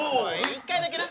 一回だけな。